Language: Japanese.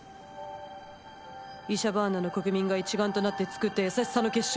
イシャバーナの国民が一丸となって作った優しさの結晶！